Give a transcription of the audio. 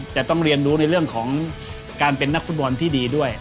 จะต้องเรียนรู้ในเรื่องของการเป็นนักฟุตบอลที่ดีด้วย